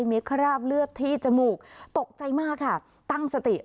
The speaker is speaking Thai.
มีคราบเลือดที่จมูกตกใจมากค่ะตั้งสติ